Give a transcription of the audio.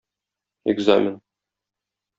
Экзамен.